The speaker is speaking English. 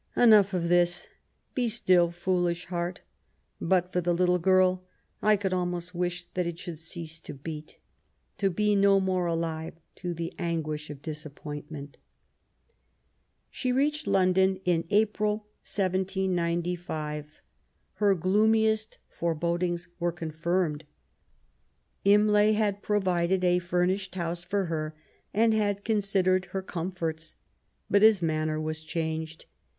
Enough of this ; be stilly foolish heart ! But for the little girl^ I could almost wish that it should cease to beat, to be no more alive to the an guish of disappointment.'^ She reached London in April 1795. Her gloomiest forebodings were confirmed. Imlay had provided a furnished house for her, and had considered her com forts. But his manner was changed.